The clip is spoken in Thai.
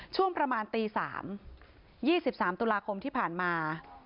ช่วงประมาณตีสามยี่สิบสามตุลาคมที่ผ่านมา